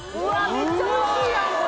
めっちゃ美味しいやんこれ。